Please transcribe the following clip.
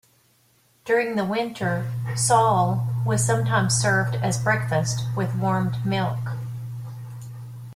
During the winter "soll" was sometimes served as breakfast with warmed milk.